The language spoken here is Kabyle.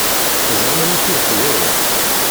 Teẓṛam amek i ileḥḥu waya?